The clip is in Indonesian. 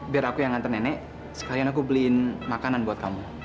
biar aku yang nganter nenek sekalian aku beliin makanan buat kamu